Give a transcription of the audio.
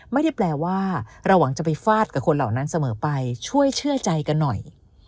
ไม่ได้แปลว่าเราหวังจะไปฟาดกับคนเหล่านั้นเสมอไปช่วยเชื่อใจกันหน่อย